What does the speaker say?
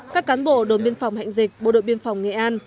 các cán bộ đồn biên phòng hạnh dịch bộ đội biên phòng nghệ an